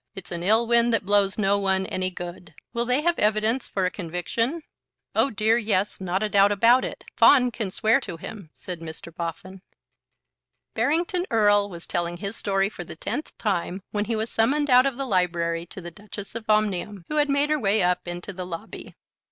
"It's an ill wind that blows no one any good. Will they have evidence for a conviction?" "Oh dear yes; not a doubt about it. Fawn can swear to him," said Mr. Boffin. Barrington Erle was telling his story for the tenth time when he was summoned out of the Library to the Duchess of Omnium, who had made her way up into the lobby.